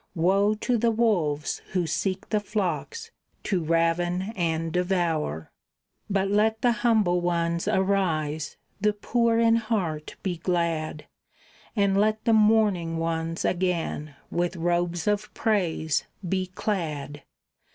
Woe to the wolves who seek the flocks to raven and devour! But let the humble ones arise, the poor in heart be glad, And let the mourning ones again with robes of praise be clad.